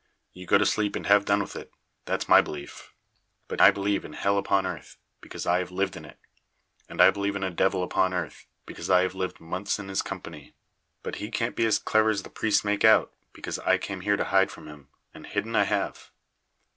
You go to sleep and have done with it that's my belief. But I believe in hell upon earth, because I have lived in it. And I believe in a devil upon earth, because I lived months in his company; but he can't be as clever as the priests make out, because I came here to hide from him, and hidden I have."